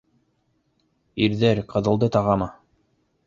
Ирҙәр ҡыҙылды тағамы?